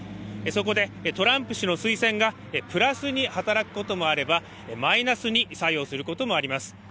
そこでトランプ氏の推薦がプラスに働くこともあればマイナスに作用することもあります。